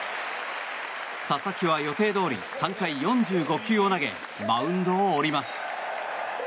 佐々木は予定どおり３回、４５球を投げマウンドを降ります。